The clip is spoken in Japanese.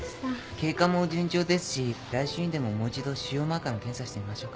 経過も順調ですし来週にでももう一度腫瘍マーカーの検査してみましょうか。